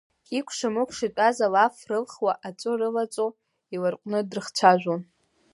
Икәша-мыкәша итәаз алаф рылхуа, аҵәы рылаҵо иларҟәны дрыхцәажәон.